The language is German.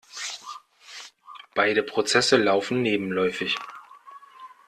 Beide Prozesse laufen nebenläufig.